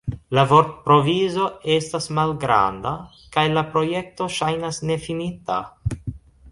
La vortprovizo estas malgranda kaj la projekto ŝajnas nefinita.